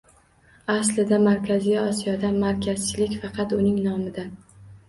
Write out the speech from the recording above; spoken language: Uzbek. Aslida, Markaziy Osiyoda markazchilik faqat uning nomidan